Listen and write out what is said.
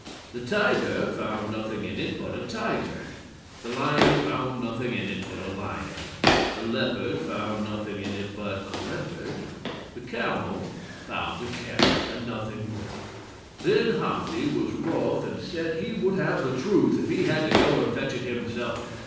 The tiger found nothing in it but a tiger. The lion found nothing in it but a lion. The leopard found nothing in it but a leopard. The camel found a camel, and nothing more. Then Hathi was wroth, and said he would have the truth, if he had to go and fetch it himself.